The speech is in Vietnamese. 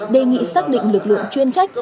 đề nghị xác định lực lượng chuyên trách